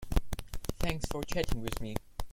Thanks for chatting with me.